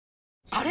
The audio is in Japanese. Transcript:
あれ？